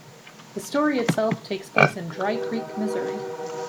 The story itself takes place in Dry Creek, Missouri.